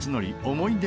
思い出